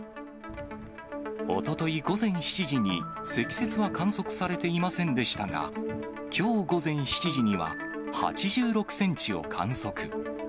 おととい午前７時に積雪は観測されていませんでしたが、きょう午前７時には、８６センチを観測。